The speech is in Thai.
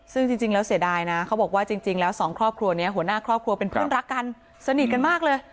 ซึ่งจริงแล้วเสียดายนะเขาบอกว่าจริงแล้วสองครอบครัวนี้หัวหน้าครอบครัวเป็นเพื่อนรักกันสนิทกันมากเลย